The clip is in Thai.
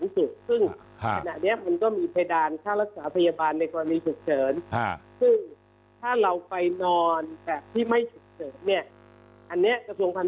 และคนไข้ทำไม่ได้อยู่แล้วเพราะฉะนั้นมันต้องมีราคาสูงสุข